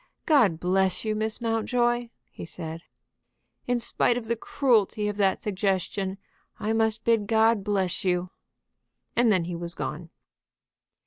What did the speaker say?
"God bless you, Miss Mountjoy!" he said. "In spite of the cruelty of that suggestion, I must bid God bless you." And then he was gone.